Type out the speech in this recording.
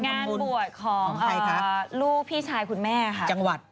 งานบวชของลูกพี่ชายคุณแม่ค่ะ